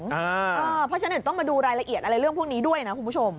เพราะฉะนั้นต้องมาดูรายละเอียดอะไรเรื่องพวกนี้ด้วยนะคุณผู้ชม